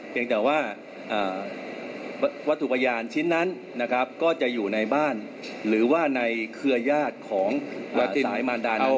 เพียงแต่ว่าวัตถุประหย่านชิ้นนั้นนะครับก็จะอยู่ในบ้านหรือว่าในเครือญาติของสายมารดานนั้นครับ